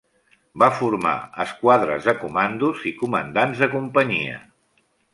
Va formar esquadres de comandos i comandants de companyia.